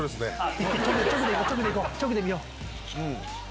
直で見よう！